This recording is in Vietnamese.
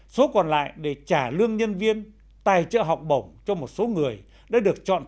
số còn lại để trả lương nhân viên tài trợ học bổng cho một số người đã được đưa ra khỏi nhà tù